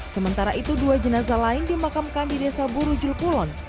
sementara itu dua jenazah lain dimakamkan di desa burujulpulon